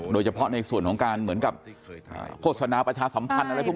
โดยเฉพาะในส่วนของการเหมือนกับโฆษณาประชาสัมพันธ์อะไรพวก